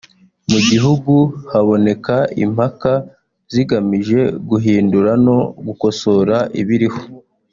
mu gihugu haboneka impaka zigamije guhindura no gukosora ibiriho